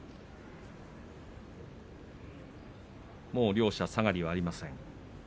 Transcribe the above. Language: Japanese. もう両者、下がりはありません。